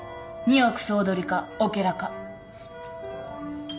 ２億総取りかオケラか。